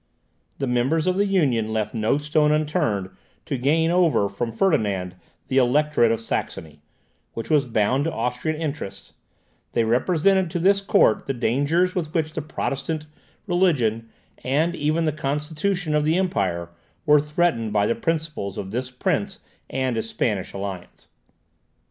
The members of the Union left no stone unturned to gain over from Ferdinand the Electorate of Saxony, which was bound to Austrian interests; they represented to this court the dangers with which the Protestant religion, and even the constitution of the empire, were threatened by the principles of this prince and his Spanish alliance.